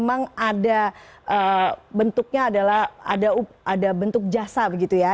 memang ada bentuknya adalah ada bentuk jasa begitu ya